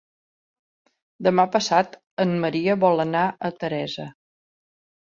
Demà passat en Maria vol anar a Teresa.